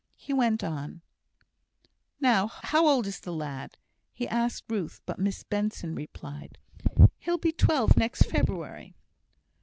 He went on: "Now, how old is the lad?" He asked Ruth, but Miss Benson replied: "He'll be twelve next February."